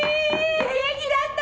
元気だった？